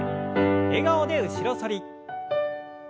笑顔で後ろ反り。